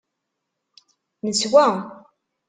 Neswa.